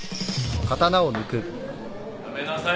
やめなさい。